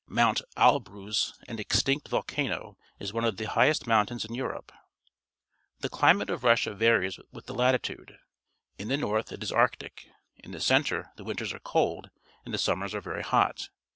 Mount Elbruz, an extinct volcano, is one of the liighest moun tains in Europe. The chmate of Russia varies with the latitude. In the north it is Arctic. In the centre the winters are cold, and the summers are very hot.